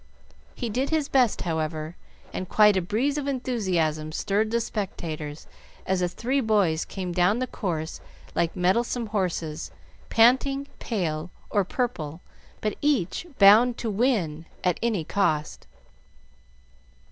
He did his best, however, and quite a breeze of enthusiasm stirred the spectators as the three boys came down the course like mettlesome horses, panting, pale, or purple, but each bound to win at any cost.